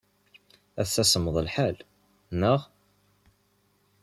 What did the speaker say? Ass-a, semmeḍ lḥal aṭas, naɣ?